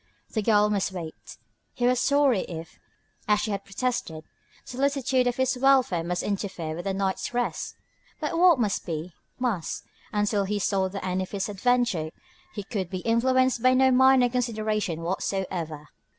The girl must wait. He was sorry if, as she had protested, solicitude for his welfare must interfere with her night's rest. But what must be, must: until he saw the end of this adventure he could be influenced by no minor consideration whatsoever.